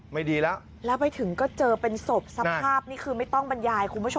ไม่ดีแล้วแล้วไปถึงก็เจอเป็นศพสภาพนี่คือไม่ต้องบรรยายคุณผู้ชม